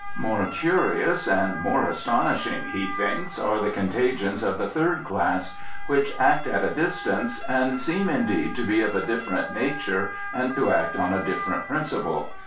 More curious and more astonishing, he thinks, are the contagions of the third class, which act at a distance, and seem indeed to be of a different nature and to act on a different principle.